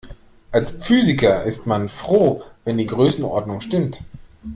Als Physiker ist man froh, wenn die Größenordnung stimmt.